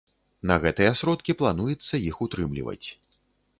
На гэтыя сродкі плануецца іх утрымліваць.